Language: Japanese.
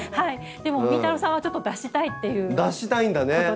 でもみーたろうさんはちょっと脱したいっていう。